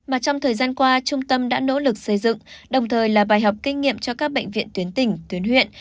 mà trong thời gian qua trung tâm đã nỗ lực xây dựng đồng thời là bài học kinh nghiệm cho các bệnh viện tuyến tỉnh tuyến huyện